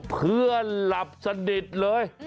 เพื่อนหลับสนิทเลย